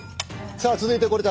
さあ続いてこれだ。